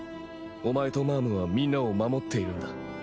お前とマァムはみんなを守っているんだ。